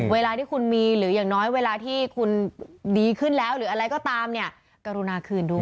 เวลาที่คุณมีหรืออย่างน้อยเวลาที่คุณดีขึ้นแล้วหรืออะไรก็ตามเนี่ยกรุณาคืนด้วย